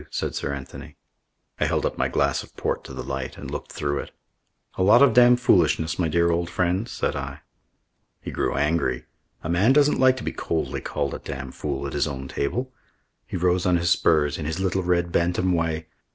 said Sir Anthony. I held up my glass of port to the light and looked through it. "A lot of damfoolishness, my dear old friend," said I. He grew angry. A man doesn't like to be coldly called a damfool at his own table. He rose on his spurs, in his little red bantam way.